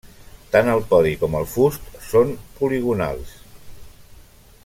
Tant el podi com el fust són poligonals.